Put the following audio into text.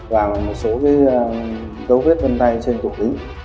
và một số dấu vết vân tay trên tổ đỉnh